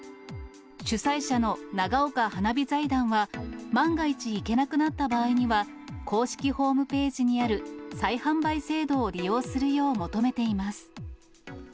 主催者の長岡花火財団は、万が一行けなくなった場合には、公式ホームページにある再販売制度を利用するよう求めています。